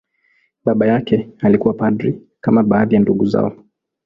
Baba yake alikuwa padri, kama baadhi ya ndugu zao.